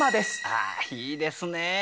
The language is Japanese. ああいいですね。